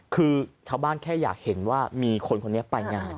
คือชาวบ้านแค่อยากเห็นว่ามีคนคนนี้ไปงาน